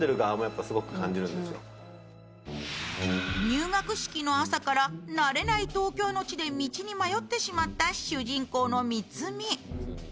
入学式の朝から慣れない東京の地で道に迷ってしまった主人公の美津未。